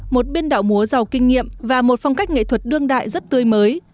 một biên đạo múa giàu kinh nghiệm và một phong cách nghệ thuật đương đại rất tươi mới